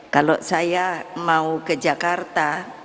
kalau saya mau ke jakarta